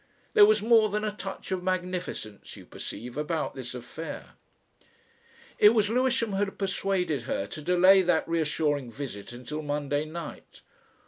There was more than a touch of magnificence, you perceive, about this affair. It was Lewisham had persuaded her to delay that reassuring visit until Monday night.